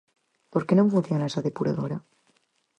¿Por que non funciona esa depuradora?